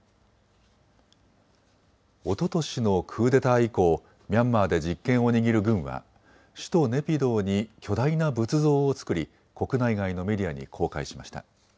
おととしのクーデター以降、ミャンマーで実権を握る軍は首都ネピドーに巨大な仏像を造り国内外のメディアに公開しました。